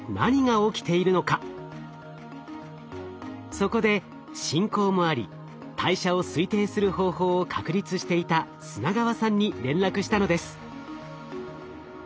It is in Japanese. そこで親交もあり代謝を推定する方法を確立していた砂川さんに連絡したのです。